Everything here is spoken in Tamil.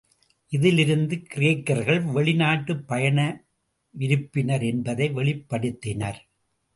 இதிலிருந்து கிரேக்கர்கள் வெளிநாட்டுப் பயண விருப்பினர் என்பதை வெளிப்படுத்தினர்.